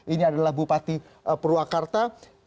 ini adalah bupati purwakarta